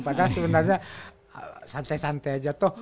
padahal sebenarnya santai santai aja tuh